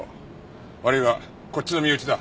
悪いがこっちの身内だ。